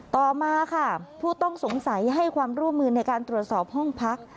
ต่อมาค่ะผู้ต้องสงสัยให้ความร่วมมือในการตรวจสอบห้องพัก